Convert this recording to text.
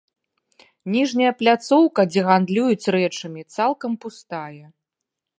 Ніжняя пляцоўка, дзе гандлююць рэчамі, цалкам пустая.